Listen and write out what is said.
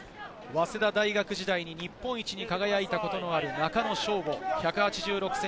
早稲田大学時代に日本一に輝いたことのある中野将伍。